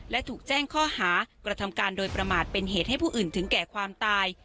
และถูกแจ้งข้อหากระทำการโดยประมาทเป็นเหตุให้ผู้อื่นถึงแก่ความตาย